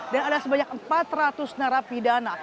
dan ada sebanyak empat ratus narapidana